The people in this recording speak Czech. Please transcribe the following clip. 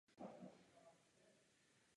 Takový jezdec zdobí dnes znak obce.